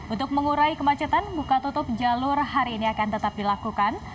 untuk mengurai kemacetan buka tutup jalur hari ini akan tetap dilakukan